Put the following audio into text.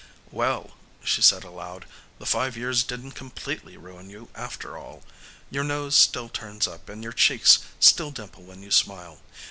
"Well," she said aloud, "the five years didn't completely ruin you, after all. Your nose still turns up and your cheeks still dimple when you smile.